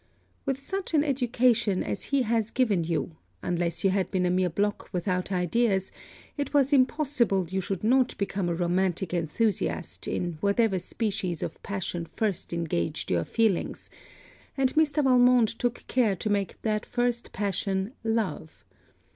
With such an education as he has given you, unless you had been a mere block without ideas, it was impossible you should not become a romantic enthusiast in whatever species of passion first engaged your feelings: and Mr. Valmont took care to make that first passion Love.